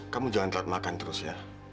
kamu jangan telat makan terus ya